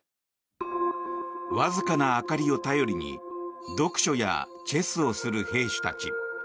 わずかな明かりを頼りに読書やチェスをする兵士たち。